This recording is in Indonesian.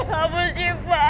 ya ampun syifa